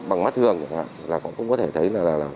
bằng mắt thường là cũng có thể thấy